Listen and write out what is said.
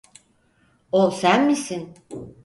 O sen misin?